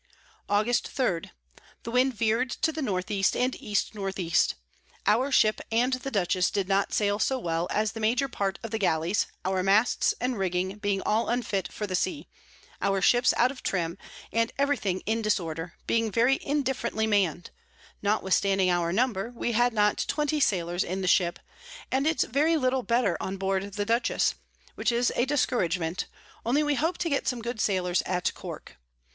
[Sidenote: From Kingroad to Cork.] August 3. The Wind veer'd to the N E and E N E. Our Ship and the Dutchess did not sail so well as the major part of the Gallies, our Masts and Rigging being all unfit for the Sea, our Ships out of trim, and every thing in disorder, being very indifferently mann'd; notwithstanding our Number, we had not 20 Sailors in the Ship, and it's very little better on board the Dutchess; which is a Discouragement, only we hope to get some good Sailors at Cork.